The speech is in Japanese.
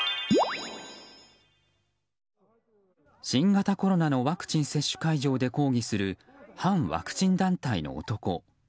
新型コロナのワクチン接種会場で抗議する反ワクチン団体の男。